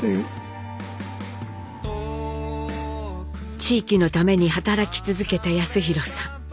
地域のために働き続けた康宏さん。